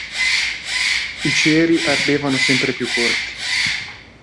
I ceri ardevano sempre più corti.